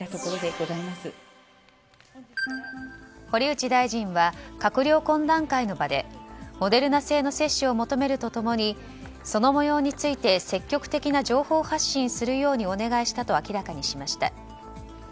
堀内大臣は閣僚懇談会の場でモデルナ製の接種を求めると共にその模様について積極的な情報発信するようにお願いしたと明らかにしました。